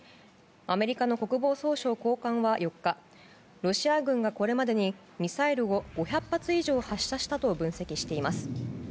アメリカの国防総省高官は４日ロシア軍が、これまでにミサイルを５００発以上発射したと分析しています。